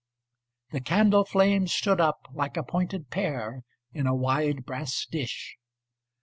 The candle flame stood up like a pointed pearIn a wide brass dish.